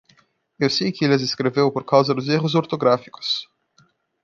Eu sei que ele as escreveu por causa dos erros ortográficos.